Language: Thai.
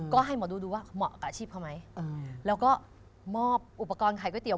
ก็ให้หมอดูดูว่าเหมาะกับอาชีพเขาไหมแล้วก็มอบอุปกรณ์ขายก๋วเตี๋